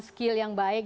skill yang baik